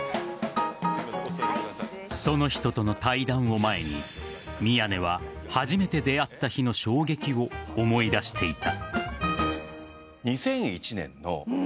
その人との対談を前に、宮根は初めて出会った日の衝撃を思い出していた。